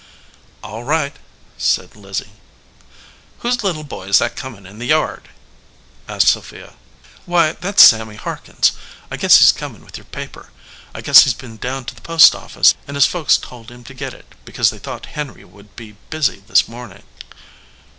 "All right," said Lizzie. "Whose little boy is that comin in the yard?" asked Sophia. "Why, that s Sammy Harkins. I guess he s comin with your paper. I guess he s been down to the post office and his folks told him to get it, be cause they thought Henry would be busy this mornin .